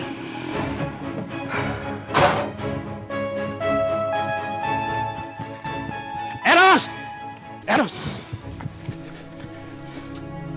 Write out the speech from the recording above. buka rumah di tuan